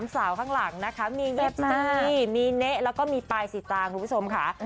สาวข้างหลังนะคะมีเย็บซีมีเละแล้วก็มีปลายสีตางคุณผู้ชมค่ะ